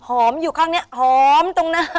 หอมอยู่ข้างเนี้ยหอมตรงหน้า